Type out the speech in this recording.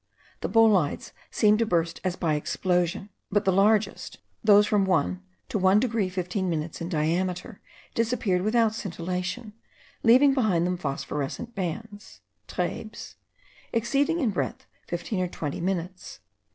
The bolides seem to burst as by explosion; but the largest, those from 1 to 1 degree 15 minutes in diameter, disappeared without scintillation, leaving behind them phosphorescent bands (trabes) exceeding in breadth fifteen or twenty minutes.